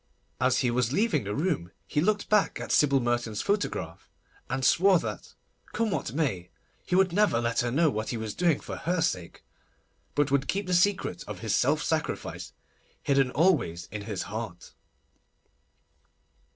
As he was leaving the room he looked back at Sybil Merton's photograph, and swore that, come what may, he would never let her know what he was doing for her sake, but would keep the secret of his self sacrifice hidden always in his heart.